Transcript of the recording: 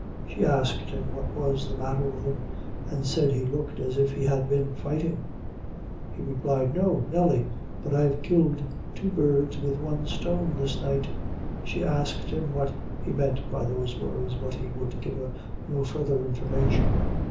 She asked him what was the matter with him, and said he looked as if he had been fighting." He replied "No, Nelly; but I've killed two birds with one stone this night." She asked him what he meant by those words, but he would give her no further information.